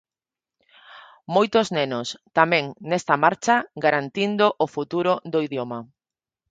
Moitos nenos, tamén, nesta marcha, garantindo o futuro do idioma.